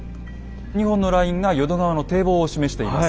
２本のラインが淀川の堤防を示しています。